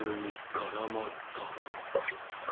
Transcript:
からまった。